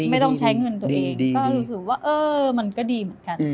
ไม่ต้องใช้เงินตัวเองก็รู้สึกว่าเออมันก็ดีเหมือนกัน